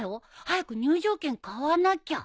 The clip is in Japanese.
早く入場券買わなきゃ。